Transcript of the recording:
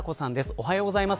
おはようございます。